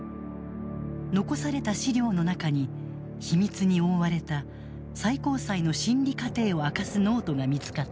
残された資料の中に秘密に覆われた最高裁の審理過程を明かすノートが見つかった。